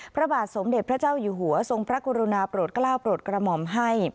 พระบาทสมเด็จพระเจ้าอยู่หัวทรงพระกรุณาโปรดกล้าวโปรดกระหม่อมให้